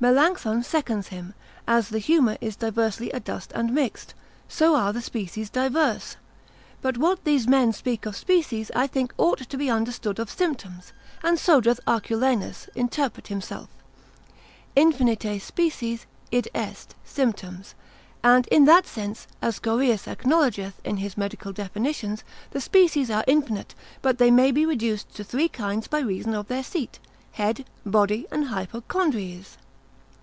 Melancthon seconds him, as the humour is diversely adust and mixed, so are the species divers; but what these men speak of species I think ought to be understood of symptoms; and so doth Arculanus interpret himself: infinite species, id est, symptoms; and in that sense, as Jo. Gorrheus acknowledgeth in his medicinal definitions, the species are infinite, but they may be reduced to three kinds by reason of their seat; head, body, and hypochrondries.